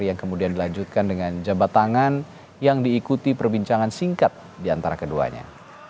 yang kemudian dilanjutkan dengan jabat tangan yang diikuti perbincangan singkat diantara keduanya